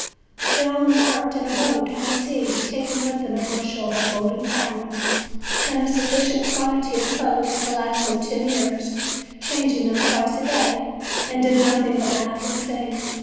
They all embarked in a boat on the sea, taking with them the bushel of golden crowns and a sufficient quan tity of clothes to last them ten years, changing them twice a day; they did nothing but laugh and sing.